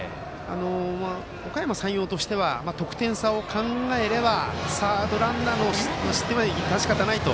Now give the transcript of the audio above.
おかやま山陽としては得点差を考えればサードランナーの失点は致し方ないなと。